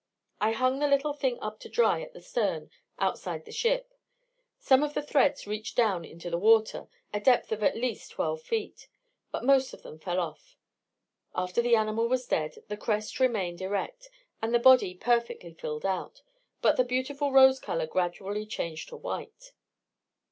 I hung the little thing up to dry at the stern, outside the ship; some of the threads reached down into the water (a depth of at least twelve feet), but most of them fell off. After the animal was dead, the crest remained erect, and the body perfectly filled out, but the beautiful rose colour gradually changed to white.